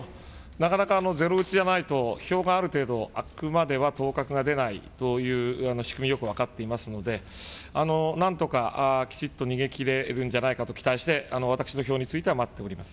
なかなかゼロうちじゃないと、票がある程度開くまでは当確が出ないという仕組みよく分かっていますので、なんとか、きちっと逃げ切れるんじゃないかと期待して私の票については待っております。